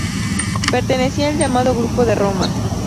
Pertenecía al llamado Grupo de Roma.